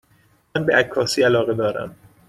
من به عکاسی علاقه دارم.